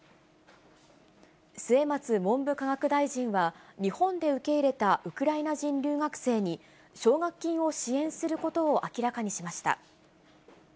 末松文部科学大臣は、日本で受け入れたウクライナ人留学生に、奨学金を支援することを明らかにしました。